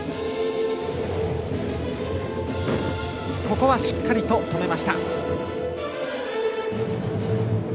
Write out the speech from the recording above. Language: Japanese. ここは、しっかりと止めました。